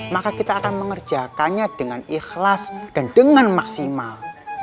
maka kita akan mengerjakannya dengan ikhlas dan dengan maksimal